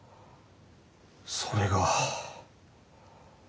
それが。